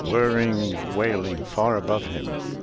Whirring, wailing far above him.